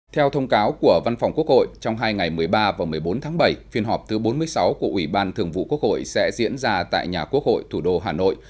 theo thông cáo của văn phòng quốc hội trong hai ngày một mươi ba và một mươi bốn tháng bảy phiên họp thứ bốn mươi sáu của ủy ban thường vụ quốc hội sẽ diễn ra tại nhà quốc hội thủ đô hà nội